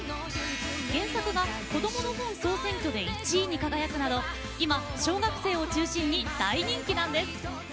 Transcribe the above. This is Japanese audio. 原作は、こどもの本総選挙で１位に輝くなど今、小学生を中心に大人気なんです。